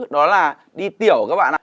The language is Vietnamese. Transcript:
đó là đi tiểu các bạn ạ